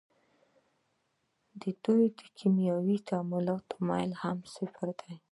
د دوی د کیمیاوي تعامل میل هم صفر دی.